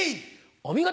お見事。